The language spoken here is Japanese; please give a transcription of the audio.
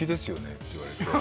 って言われて。